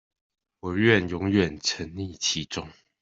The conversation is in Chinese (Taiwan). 我願永遠沈溺其中